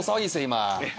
今。